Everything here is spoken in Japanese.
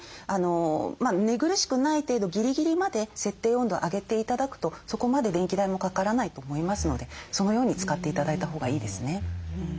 寝苦しくない程度ギリギリまで設定温度を上げて頂くとそこまで電気代もかからないと思いますのでそのように使って頂いたほうがいいですね。